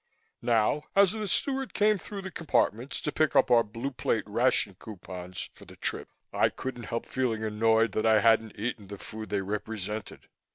Now as the steward came through the compartments to pick up our Blue Plate ration coupons for the trip, I couldn't help feeling annoyed that I hadn't eaten the food they represented.